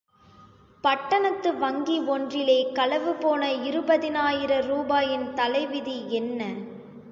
பட்டணத்து வங்கி ஒன்றிலே களவு போன இருபதினாயிர ரூபாயின் தலைவிதி என்ன?